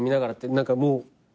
何かもう。